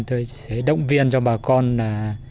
tôi sẽ động viên cho bà con là